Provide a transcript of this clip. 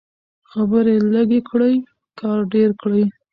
خبرې لږې کړئ کار ډېر کړئ.